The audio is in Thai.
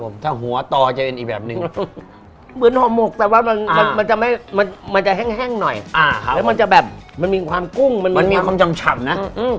มันจะแบบมันมีความกุ้งมันมีความเฉ่านะ